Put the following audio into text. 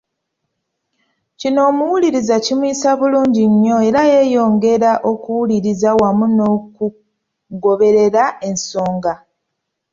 Kino omuwuliriza kimuyisa bulungi nnyo era yeeyongera okuwuliriza wamu n'okugoberera ensonga.